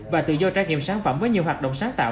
và tự do trải nghiệm sản phẩm với nhiều hoạt động sáng tạo